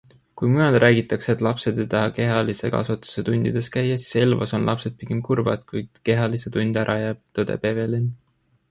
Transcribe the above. Kui mujal räägitakse, et lapsed ei taha kehalise kasvatuse tundides käia, siis Elvas on lapsed pigem kurvad, kui kehalise tund ära jääb, tõdeb Evelin.